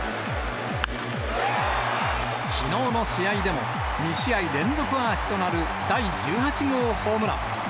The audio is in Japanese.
きのうの試合でも、２試合連続アーチとなる第１８号ホームラン。